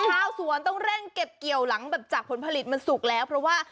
ชาวสวนต้องเร่งเก็บเกี่ยวหลังแบบจากผลผลิตมันสุกแล้วเพราะว่า